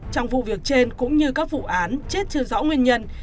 trong vụ việc trên cũng như các vụ án chết chưa rõ nguyên nhân